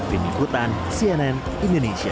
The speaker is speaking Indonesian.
vini kutan cnn indonesia